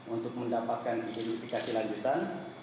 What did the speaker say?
untuk mendapatkan identifikasi lanjutan